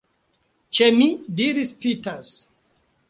Ĉe mi, diris Peters.